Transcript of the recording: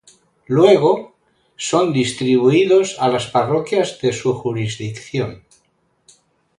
Luego, son distribuidos a las parroquias de su jurisdicción.